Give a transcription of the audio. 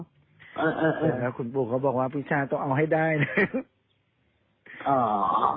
เออเออแล้วคุณปู่เขาบอกว่าพิชาต้องเอาให้ได้นะอ๋อ